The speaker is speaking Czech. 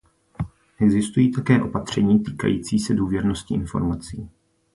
Existují také opatření týkající se důvěrnosti informací.